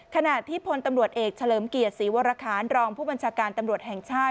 ขณะที่พลตำรวจเอกเฉลิมเกียรติศรีวรคารรองผู้บัญชาการตำรวจแห่งชาติ